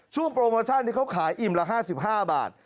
โปรโมชั่นที่เขาขายอิ่มละ๕๕บาท